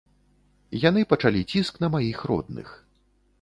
Яны пачалі ціск на маіх родных.